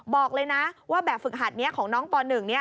บอกเลยนะว่าแบบฝึกหัดนี้ของน้องป๑